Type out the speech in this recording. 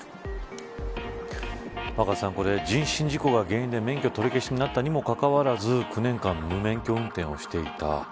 若狭さん、これ、人身事故が原因で免許取り消しになったにもかかわらず９年間、無免許運転をしていた。